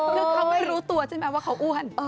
คือเขาไม่รู้ตัวใช่ไหมว่าเขาอ้วน